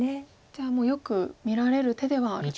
じゃあよく見られる手ではある。